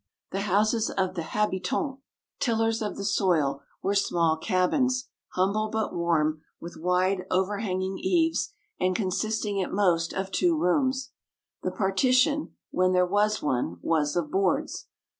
The houses of the habitants, tillers of the soil, were small cabins, humble but warm, with wide, overhanging eaves, and consisting at most of two rooms. The partition, when there was one, was of boards.